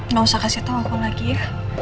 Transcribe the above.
nggak usah kasih tau aku lagi ya